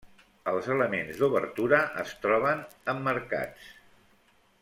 Els elements d'obertura es troben emmarcats.